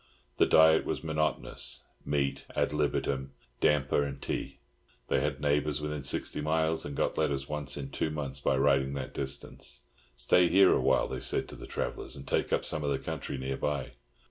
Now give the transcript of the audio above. The diet was monotonous—meat "ad libitum," damper and tea. They had neighbours within sixty miles, and got letters once in two months by riding that distance. "Stay here a while," they said to the travellers, "and take up some of the country near by."